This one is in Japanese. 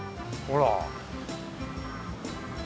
ほら。